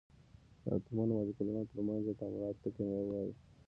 د اتومونو، مالیکولونو او تر منځ یې تعاملاتو ته کېمیا وایي.